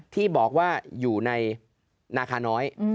ที่บอกว่าอยู่ในนาคาน้อย